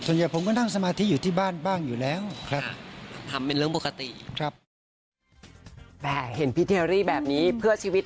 ส่วนใหญ่ผมก็นั่งสมาธิอยู่ที่บ้านบ้างอยู่แล้ว